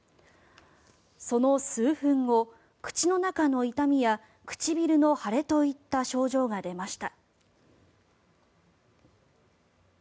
その数分後、口の中の痛みやくちびるの腫れといった症状が出ました。